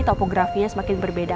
topografinya semakin berbeda